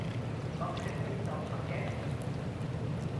Wat zit er in dat pakket?